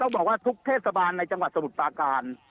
บอกว่าทุกเทศบาลในจังหวัดสมุทรปาการ